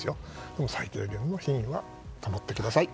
でも最低限の品位は保ってください。